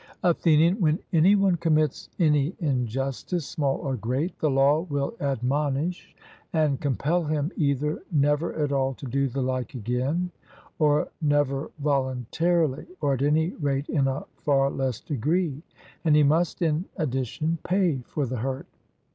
ATHENIAN: When any one commits any injustice, small or great, the law will admonish and compel him either never at all to do the like again, or never voluntarily, or at any rate in a far less degree; and he must in addition pay for the hurt.